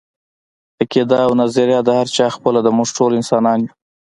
عقیده او نظريه د هر چا خپله ده، موږ ټول انسانان يو